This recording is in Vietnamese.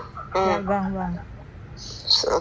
dạ vâng vâng